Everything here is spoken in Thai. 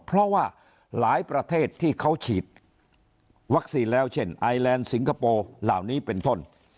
เพราะว่าหลายประเทศที่เขาฉีดวัคซีนแล้วเช่นไอแลนด์สิงคโปร์เหล่านี้เป็นต้น